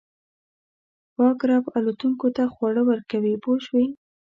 پاک رب الوتونکو ته خواړه ورکوي پوه شوې!.